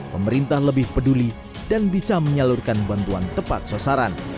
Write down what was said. pemerintah lebih peduli dan bisa menyalurkan bantuan tepat sasaran